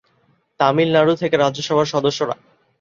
তামিলনাড়ু থেকে রাজ্যসভার সদস্যরা